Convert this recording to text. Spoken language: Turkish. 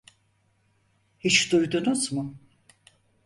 Hiç duydunuz mu?